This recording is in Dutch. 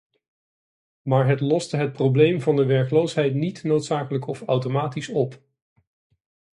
Maar het loste het probleem van de werkloosheid niet noodzakelijk of automatisch op.